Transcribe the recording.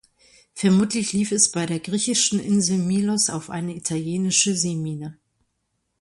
Vermutlich lief es bei der griechischen Insel Milos auf eine italienische Seemine.